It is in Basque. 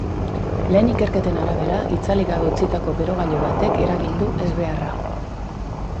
Lehen ikerketen arabera, itzali gabe utzitako berogailu batek eragin du ezbeharra.